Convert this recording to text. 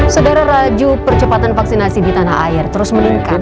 saudara raju percepatan vaksinasi di tanah air terus meningkat